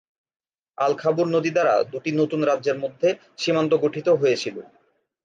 আল-খাবুর নদী দ্বারা দুটি নতুন রাজ্যের মধ্যে সীমান্ত গঠিত হয়েছিল।